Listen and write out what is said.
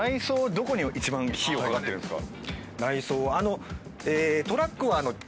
どこに一番費用かかってるんですか？